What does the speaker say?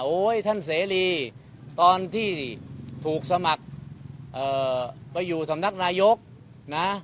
ท่านเสรีตอนที่ถูกสมัครไปอยู่สำนักนายกนะ